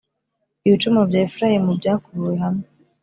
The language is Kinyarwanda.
Ibicumuro bya Efurayimu byakubiwe hamwe